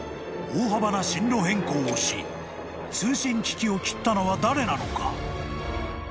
大幅な針路変更をし通信機器を切ったのは誰なのか？］